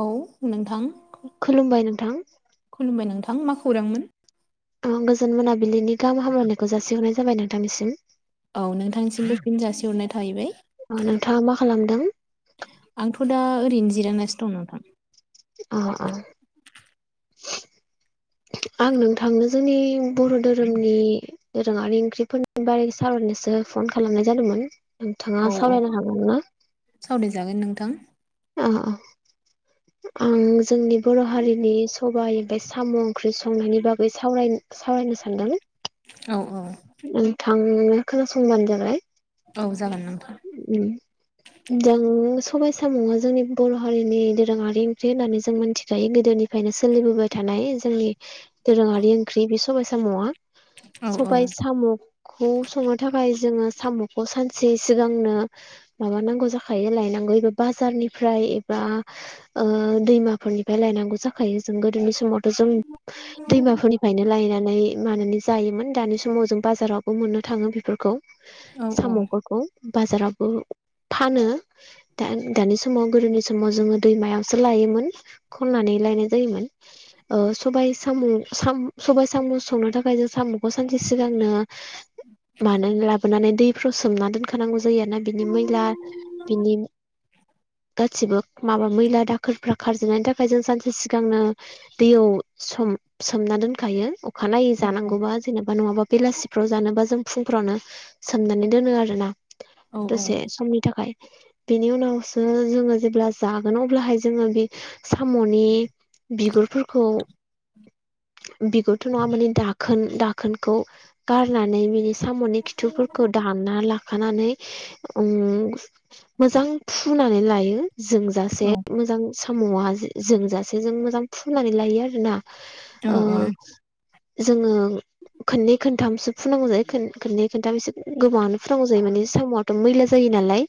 औ नोंथां खुलुमबाय नोंथां खुलुमबाय नोंथां मा खौरांमोन? ओ गोजोन मोनाबिलिनि गाहाम हामलायनायखौ जासिहरनाय जाबाय नोंथांनिसिम औ नोंथांसिमबो फिन जासिहरनाय थाहैबाय अ नोंथाङा मा खालामदों? आंथ' दा ओरैनो जिरायनासो दं नोंथां अ आ आं नोंथां जोंनि बर' धोरोमनि दोरोङारि ओंख्रिफोरनि बारै सावरायनोसो फन खालामनाय जादोंमोन नोंथाङा औ औ सावरायनो हागोन ना? सावरायजागोन नोंथां आं जोंनि बर' हारिनि सबाय ओमफाय साम' ओंख्रि सं संनायनि बागै साव सावरायनो सानदों औ औ आंनो खोनासंबानो जाबाय औ जागोन नों- ओम जों स सबाय सामुआ जोंनि बर' हारिनि दोरोङारि ओंख्रि होननानै जों मोनथिखायो गोदोनिफ्रायनो सोलिबोबाय थानाय नाय जोंनि दोरोङारि ओंख्रि बे सबायाइ साम'आ औ औ सबाय साम'खौ संनो थाखाय जोङो साम'खौ सानसे सिगांनो माबानांगौ जाखायो लायनांगौ एबा बाजारनिफ्राय एबा ओ दैमाफोरनिफ्राय लायनांगौ जाखायो जों गोदोनि समाव जों दैमाफोरनिफ्रायनो लायनानै मानानै जायोमोन दानि समाव जों बाजारावबो मोननो थाङो बेफोरखौ औ औ साम'फोरखौ बाजारावबो फानो दानि समाव गोदोनि समाव जोङो दैमायावसो लायोमोन खननानै लायनाय जायोमोन ओ सबाय साम' साम सबाय साम' संनो थाखाय जों साम'खौ सानसे सिगांनो मानो लाबोनानै दैफ्राव सोमना दोन खानांगौ जायो आरो ना बिनि मैला बिनि गासिबो माबा मैला दाखोरफ्रा खारजेननायनि थाखाय जों सानसे सिगांनो दैयाव सोमना दोनखायो अखानायनायै जानांगौबा जेनेबा नङाबा बेलासिफ्राव जानोबा जों फु फ्रावनो सोमनानै दोनो आरो ना औ दसे समनि थाखाय बेनि उनावसो जोङो जेब्ला जागोन अब्लाहाय जोङो बे साम'नि बिगुरफोरखौ बिगुरथ' नङा माने दाखोन दाखोनखौ गारनानै बिनि साम'नि खिथुफोरखौ दानना ला खाखानानै ओम मोजां फुनानै लायो औ जोंजासे मोजां साम'आ जोंजासे जों मोजां फुननानै लायो आरोना औ ओ औ जोङो खोननै खनथामसो फुनांगौ जायो खोननै खनथाम एसे नांगौ जायो माने साम'याथ' मैला जायो नालाय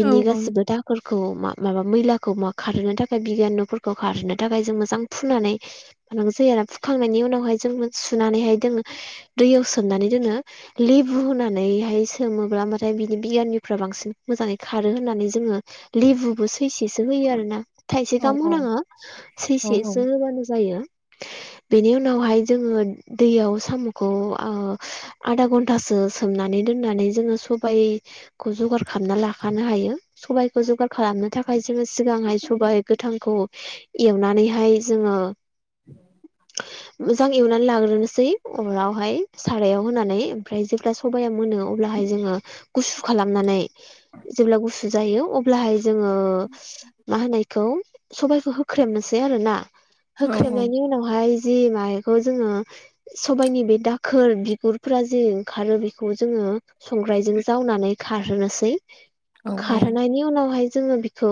बिनि औ गासिबो दाखोर खौ माबा मैलाखौ खारहोनो थाखाय बिजानुफोरखौ खारहोनो थाखाय जों मोजां फुनानै गौ जायो फुखांनायनि उनावहाय जों सुनानैहाय जोङो दैयाव सोमनानै दोनङो लि बु होननानैहाय सोमोब्ला बाथाय बिनि बिजानुफ्रा बांसिन मोजाङै खारो होननानै जोङो लेबुबो सो सैसेसो होयो आरो ना थाइसे गाहाम औ होनाङो औ सैसेसो होबानो जायो बेनि उनावहाय जोङो दैयाव साम'खौ आ आधा घन्टासो सोमनानै दोननानै जोङो सबबायखौ जगार खालामना लाखानो हायो सबखौ जगार खालामनो थाखाय जोङो सिगां सबाय सबाइ गोथांखौ एवनानैहाय जोङो [inaudible] मोजां एवनानै लाग्रोनोसै अरावहाय सारायाव होनानै ओमफ्राय जेब्ला सबाया मोनो जोङो गुन्दै खालामनानै जे गुसु जायो अब्ला जोङो मा होनायखौ सबाइखौ होख्रेमनोसै आरोना होख्रेबनायनि उनावहाय जि माबाखौ जोङो सबायाइनि बे दाखोर बिगुरफ्रा जि ओंखारो बेखौ जोङो संग्रायजों जावनानै खारहोनोसै खारहोनायनि उनावहाय जोङो बिखौ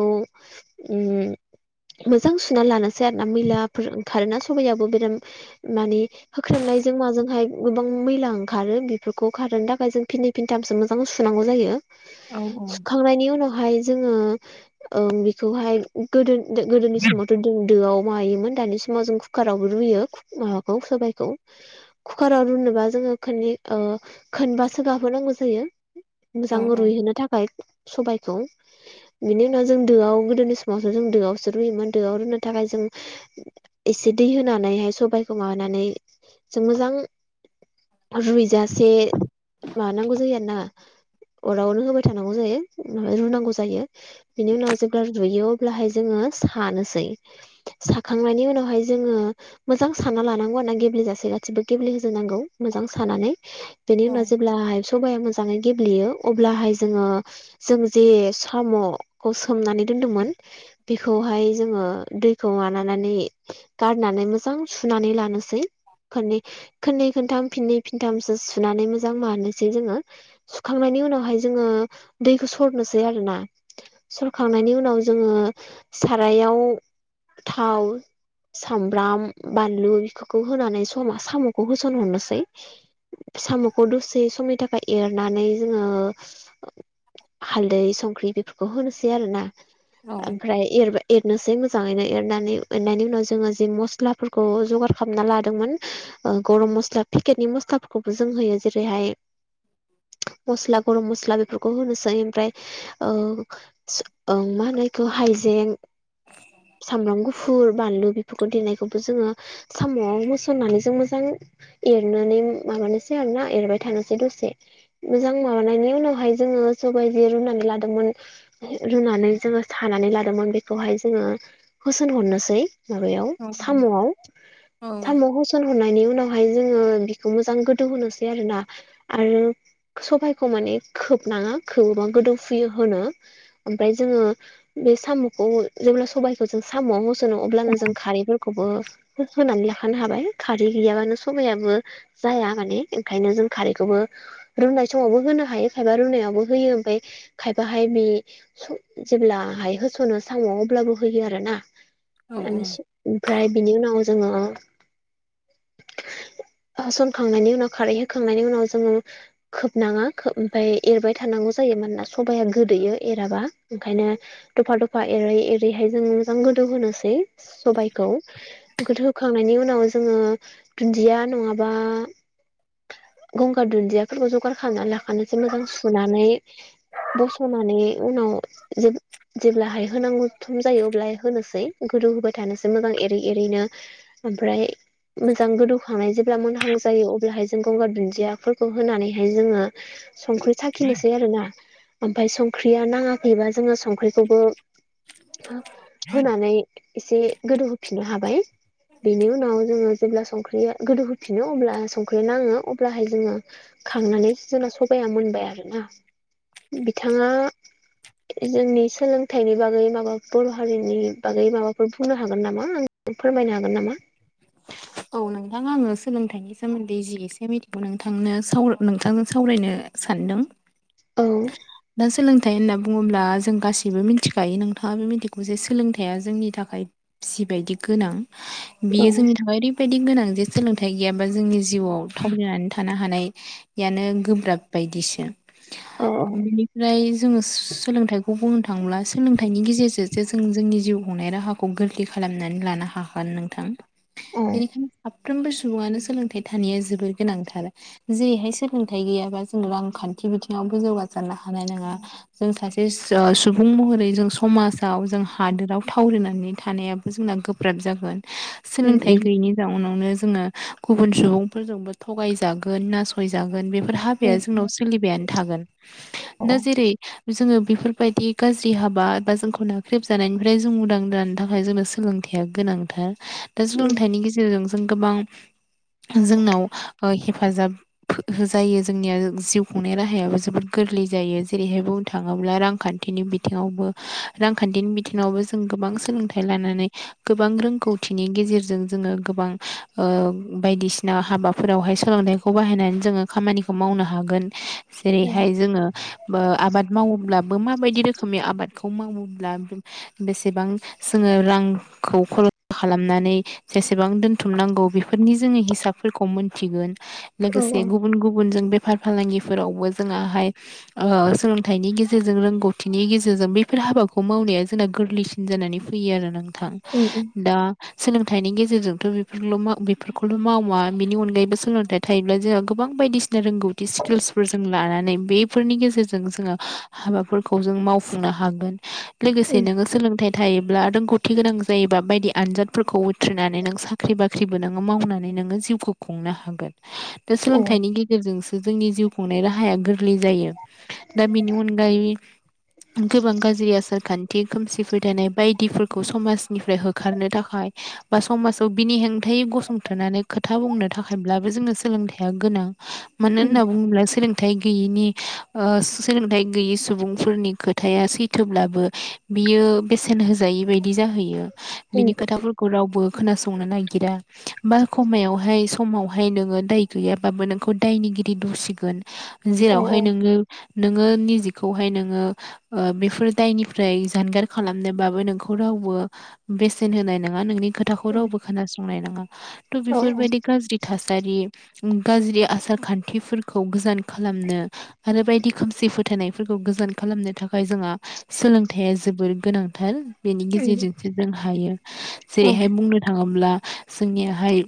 मोजां सुना लानोसै आरोना मैलाफोर खारोना सबाइयाबो बेराम मानि होख्रेमनायजों माजोंहाय गोबां मैला ओंखारो बेफोरखौ खारनो थाखाय जों फिनै खनथामसो मोजां सुनांगौ जायो सुखांनायनि उनावहाय जोङो बेखौहाय गोदो गोदोनि समावथ' जों दोआव दानि समाव जों‌ कुकाराव रुयो सबायखौ कुकाराव रुनबा जों खै खोनबासो गाबहोनांगौ जायो मोजां रुइहोनो थाखाय सबायखौ बिनि उनाव जों दोआव गोदोनि समावसो जों दोआवसो रुयोमोन दोआव रुनो थाखाय जों एसे दै होनानैहाय सबायखौ माबानानै जों मोजां रैजासे जायो आरो ना अरावनो होबाय थानांगौ जायो म रुनांगौ जायो बिनि उनाव जेब्ला रुयो अब्लाहाय जोङो सानसै साखांनायनि उनावहाय जोङो मोजां सानना लानांगौ गेब्लेज गासिबो गेब्लेहजोनांगौ मोजां सानानै बेनि उनाव जेब्ला सबाया मोजांनो गेबेलेयो सोमनानै दोनदोंमोन बेखौहाय जोङो दैखौ मानानै गारनानै मोजां सुनानै लानोसै खननै खननै खनथाम फिनै फिनथामसो सुनानै मोजां मानोसै जोङो सुखांनायनि उनावहाय जोङो दैखौ सरनोसै आरोोना सरखांनायनि उनाव जोङो सारायाव थाव सामब्राम बानलु बेफोरखौ होनानै ज'मा साम'खौ होसनहरनोसै साम'खौ दसे समनि थाखाय एरनानै जोङो हालदै संख्रि बेफोरखौ होनोसै आरो ना ओमफ्राय एर एरनोसै मोजां मोजांनो एरनानै उनाव [unintelligible] मसला सेकेटनि मसलाफोरखौबो जों होयो जेरैहाय मस्ला गरम मस्ला बेफोरखौ होनोसै ओमफ्राय मा होननायखौ हाय जें सामब्राम गुफुर बानलु बेफोरखौ देनायखौबो जोङो साम'आव मोसननानै जों मोजां एरनानैनानै मा मानसे आरो ना एरबाय थानोसै दसे मोजां माबानायनि उनावहाय जोङो सबायदि रुनानै लादोंमोन रुनानै जोङो सानानै लादोंमोन बेखौहाय जोङो होसोन हरनोसै माबायाव साम'आव साम' होसन हरनायनि उनाव उनावहाय जोङो बेखौ मोजां गोदौ होनोसै आरोना आरो सबाइखौ माने खोबनाङा खोबोबा गोदौफुयो होनो ओमफ्राय जोङो बे साम'खौ जेब्ला सबाइखौ जों साम'आव होस'नो अब्लानो जों खारैफोर खौबो होनानै लाखानो हाबाय खारै गैयाबानो साबायाबो जाया माने ओंखायनो जों खारैखौबो रुनाय समावबो होनो हायो खायफा रुनायावबो होयो ओमफाय खायफाहाय बे जेब्ला हाय होस'नो साम' आव अब्लाबो होयो आरो ना औ [unintelligible] ओमफ्राय बिनि उनाव जोङो होसनखांनायनि उनाव खारै होखांनायनि उनाव जोङो खोबनाङा ओमफ्राय एरबाय थानांगौ जायो मानोना सबाया गोदो बियो एराबा‌ ओंखायनो दफा दफा एरै एरैहाय जों मोजां गोदौहोनोसै सबायखौ गोद होखांनायनि उनाव जोङो दुन्दिया नङाबा गंगार दुन्दियाफोरखौ जगार खालामनानै लाखानोसो मोजां सुनानै बस'नानै उनाव जेब-जेब्लाहाय होनांगौ सम जायो अब्लाहाय होनोसै रुहोबाय थानोसै मोजां एरै एरैनो ओमफ्राय मोजां गोदौखांना जेब्ला मोनहां जायो अब्लाहाय गंगार दुदियाफोरखौ होनानैहाय जोङो संख्रि साखिनोसै आरोना ओमफाय संख्रिया नाङाखैबा जोङो संख्रिखौबो होनानै एसे गोदौ होफिननो हाबाय बेनि उनाव जोङो जेब्ला संख्रिया गोदौ होफिनो अब्ला सं संख्रि नाङो अब्लाहाय जोङो खांनानै जोंना सबाया मोनबाय आरो ना। बिथाङा जोंनि सोलोंथाइनि बागै माबा बर' हारिनि बागै माबाफोर बुंनो हागोन नामा? फोरमायनो हाग औ नोंथां आङो सोलोंथाइनि सोमोन्दै जि एसे मिथिगौ नोंथांनो साव नोंथांजों सावरायनो सानदों औ नाथाय होनना बुङोब्ला जों गासिबो मिथिखायो नोंथाङा बे मिथिगौ जे सोलोंथाइया जोंनि थाखाय बिसि ओरैबाय गोनां बियो जोंनि औ थाखाय ओरैबायदि गोनां जे सोलोंथाइ गैयाबा जोंनि जिउआव थावरिनानै थानो हानायानो गोब्राब बायदिसो औ बिनिफ्राय जोङो सोलोंथाइखौ बुंनो थां ब्ला सोलोंथाइनि गेजेरजोंजे जों जोंनि जिउ खुंनाय राहाखौ गोरलै खालामनानै लानो हा [unintelligible] नोंथां औ बेनिखायनो साफ साफ्रोमबो सुबुङानो सोलोंथाइ थानाया जोबोर गोनांथार जेरैहाय सोलोंथाइ गैयाबा जों रांखान नि बिथिङावबो जौगासारनो हानाय नङा जों सासे सुबुं महरै जों समाजाव जों हादोराव थावरिनानै थानायाबो जोंना गोब्राब जागोन सोलोंथाइ गैयैनि जाउनावनो जोङो गुबुन सुबुंफोरजोंबो थगायजागोन नासयजा बेफोर हाबाया जोंनाव सोलिबायानो थागोन दा जेरै जोंङो बेफोरबायदि गाज्रि हाबा एबा जोंखौ नाख्रेबजानायनिफ्राय जों उदां जानो थाखाय जोंनो सोलोंथाइया गोनां थार दा सोलोंथाइनि गेजेरजों जों गोबां जोंनाव ओ हेफाजाब होजायो जोंनिया जिउ खुंनाय राहायाबो जोबोद गोरलै जायो जेरैहाय बुंनो थाङोब्ला रांखान्थि बिनि बिथिङाबो रांखान्थिनि बिथिङावबो जों गोबां सोलोंथाइ लानानै गोबां रों खौथिनि गेजेरजों जोङो गोबां ओ बायदिसिना हाबाफोरावहाय सोलोंथाइखौ बाहायनाय जोङो खामानिखौ मावनो हागोन। जेरैहाय जोङो ओ आबाद मावोब्लाबो माबायदि रोखोमनि आबादखौ मावो ब्ला बेसेबां जोङो रांखौ [unintelligible] खालामनानै जेसेबां दोनथुमनांगौ बेफोरनि जोङो हिसाबफोरखौ मोनथिगोन लोगोसे गुबुन गुबुनजों बे बेफार फालांगिफोरावबो जोङाहाय ओ सोलोंथाइनि गेजेरजों रोंगौथिनि गेजेरजों बैफोर हाबाखौ मावनाया जोंना गोरलैसिन जानानै फैयो आरो नोंथां ओ सोलोंथाइनि गेजेरजोंथ' बेफोरखौल' मावा बिनि अनगायैबो सोलोंथाइ थायोब्ला जों गोबां बायदिसिना रोंगौथि स्किल्सफोर जों लानानै बेफोरनि गेजेरजों जोङो हाबाफोरखौ जों मावफुंनो हागोन। लोगोसे नोङो सोलोंथाइ थायोब्ला रोंगौथि गोनां जायो बा बायदि आनजादफोरखौ उथ्रिनानै नों साख्रि बाख्रिबो नोङो मावनानै नोङो जिउखौ खुंनो हागोन। दा सोलोंथाइनि गेजेरजोंसो जोंनि जिउ खुंनाय राहाया गोरलै जायो दा बेनि अनगायै गोबां गाज्रि आसार खान्थि खोमसिफोर थानाय बायदिफोरखौ समाज निफ्राय होखारनो थाखाय बा समाजाव बिनि हेंथायै गसंथनानै खोथा बुंनो थाखायब्ला सोलोंथाया गोनां मानो होनना बुंङोब्ला [unintelligible] गैयैनि सोलोंथाइ गैयै सुबुंफोरनि खोथाया सैथोब्लाबो बियो बेसेन होजायै बायदि जाहैयो बिनि खोथाफोरखौ रावबो खोनासंनो नागिरा बा खमायावहाय समावहाय नोंङो दाय गैयाबाबो नोंखौ दायनि दुसिगोन जेरावहाय नोंङो नोंङो निजेखौहाय नोङो बेफोर दायनिफ्राय जानगार खालामनोबाबो नोंखौ राव रावबो बेसेन होनाय नंङा नोंनि खोथाखौ रावबो खोनासंनाय नंङा बेफोरबायदि गाज्रि थासारि गाज्रि आसार खान्थिफोरखौ गोजान खालामनो आरो बायदि खोमसि फोथायनायफोरखौ खौ गोजोन खालामनो थाखाय जोंहा सोलोंथाया जोबोर गोनांथार बेनि गेजेरजोंसो जों हायो जेरैहाय बुंनो थांङोब्ला जोंनि हाय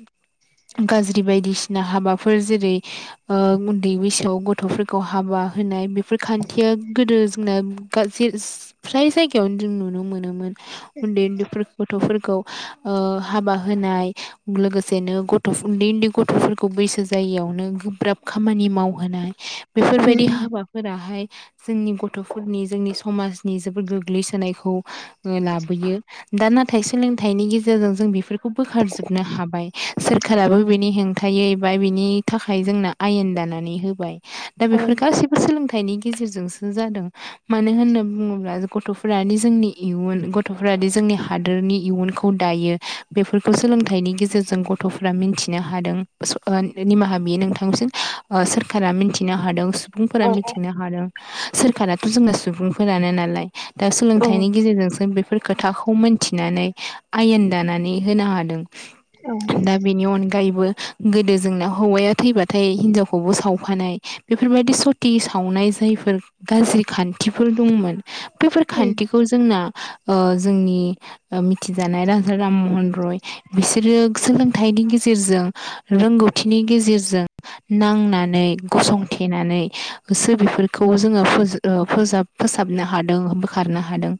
गाज्रि बायदिसिना हाबाफोर जेरै उन्दै बैसोआव गथ'फोरखौ हाबा होनाय बेफोर खान्थिया गोदो जोंना ना फ्राय जायगायावनो जों नुनो मोनोमोन उन्दै गथ'फोरखौ हाबा होनाय लोगोसेनो गथ' उन्दै उन्दै गथ'फोरखौ बै बैसो जायायावनो गोब्राब खामानि मावहोनाय बेफोरबायदि हाबाफोराहाय जोंनि गथ'फोरनि जोंनि समाजनि जोबोद गोग्लैसोनायखौ लाबो दा नाथाय सोलोंथाइनि गेजेरजों जों बेफोरखौ बोखारजोबनो हाबाय सोरखाराबो बेनि हेंथायै बा बिनि थाखाय जोंना आयेन दानानै होबाय दा बेफोर गासिबो सोलोंथाय फिथाइनि गेजेरजोंसो जादों मानो होननानै बुंङोब्ला गथ'फोरानो जोंनि इयुन गथ' गथ'फ्राद जोंनि हादोरनि इयुनखौ दायो बेफोरखौ सोलोंथाइनि गेजेरजों गथ'फ्रा मिन्थि मिथिनो हादों निमाहा बियो नोंथांसिम सोरखारा मिथिनो हादों सुबुंफोरा मिथिनो हादों सोरखाराथ' जोंना सुबुंफोरानो नालाय दा सोलोंथाइनि गेजेरजोंसो बे बेफोर खोथाखौ मोनथिनानै आयेन दानानै होनो हादों दा बेनि अनगायैबो गोदो जोंना हौवाया थैबाथाय हिनजावखौबो सावफानाय बेफोरबायदि सत सावनाय जायफोर गाज्रि खान खान्थिफोर दंमोन बेफोर खान्थिखौ जोंना जोंनि मिथिजानाय राजा राममहन रय बिसोरो सोलोंथाइनि गेजेरजों गेजेरजों रोंगौथिनि गेजेरजों नांनानै गसंथेनानै सो बेफोरखौ जोंङो फोाब फोसाबनो हादों बोखारनो हादों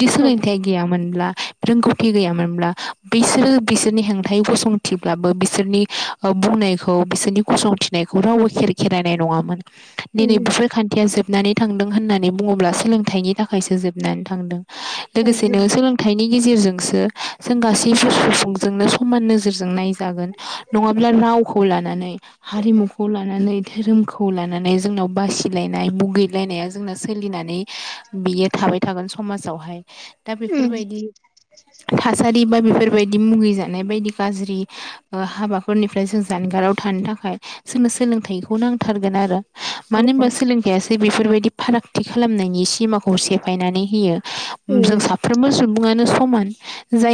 बिदि सोलोंथाइ गैयामोनब्ला रोंगौथि गैयामोनब्ला बिसोरो बिसोरनि हेंथाय गसंथिब्लाबो बिसोरनि बुंनायखौ बिसोरनि गसंथिनायखौ रावबो खेर खेरायनाय नङामोन दिनै बेफोर खान्थिया जोब जोबनानै थांदों होननानै बुंङोब्ला सोलोंथाइनि थाखायसो जोबनानै थांदों लोगोसेनो सोलोंथाइनि गेजेरजोंसो जों गासैबो सुबुंजोंनो समान नोजोरजों नाय जागोन नंङाब्ला रावखौ लानानै हारिमुखौ लानानै धोरोमखौ लानानै जोंनाव बासिलायनाय मुगैलायनाया जोंना सोलिनानै बियो था थाबाय थागोन बा थासारि बेबायायदि मुगै जानाय बायदि गाज्रि हाबाफोरनिफ्राय जों जानगाराव थानो थाखाय जोंनो सोलोंथाइखौ नांथारगोन आरो मानो होनबा सोलोंथाइासो बेफोरबायदि फारागथि खालामनायनि सिमाखौ सेफायनानै होयो जों साफ्रोमबो सुबुंङानो समान जाय